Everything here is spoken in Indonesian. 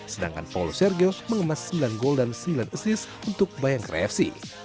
sedangkan paulo sergio mengemas sembilan gol dan sembilan asis untuk bayangkare fc